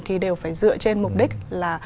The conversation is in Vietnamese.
thì đều phải dựa trên mục đích là